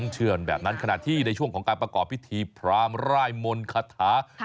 เชื่อนแบบนั้นขณะที่ในช่วงของการประกอบพิธีพรามร่ายมนต์คาถา